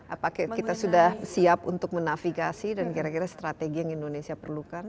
apakah kita sudah siap untuk menafigasi dan kira kira strategi yang indonesia perlukan